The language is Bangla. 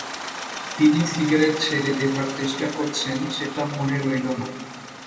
তিনি সিগারেট ছেড়ে দেবার চেষ্টা করছেন, সেটা মনে রইল না।